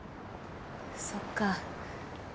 そっか。